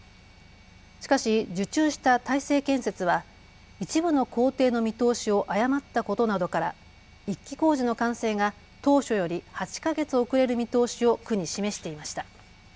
しかし受注した大成建設は一部の工程の見通しを誤ったことなどから１期工事の完成が当初より８か月遅れる見通しを区に示していました。